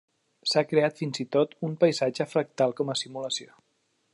S'ha creat fins i tot un paisatge fractal com a simulació.